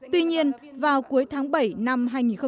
tuy nhiên vào cuối tháng bảy năm hai nghìn một mươi bốn